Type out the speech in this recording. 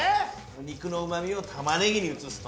肉のうまみを玉ねぎに移すと。